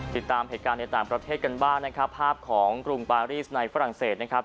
ติดตามเหตุการณ์ในต่างประเทศกันบ้างนะครับภาพของกรุงปารีสในฝรั่งเศสนะครับ